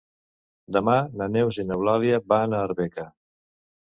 Demà na Neus i n'Eulàlia van a Arbeca.